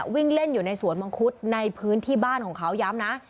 วิ่งเล่นอยู่ในสวนมังคุดในพื้นที่บ้านของเขาย้ำนะ